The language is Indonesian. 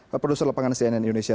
pak produser lepangan cnn indonesia